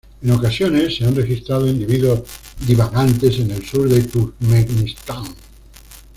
En ocasiones se han registrado individuos divagantes en el sur de Turkmenistán.